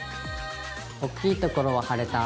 大きいところは貼れた。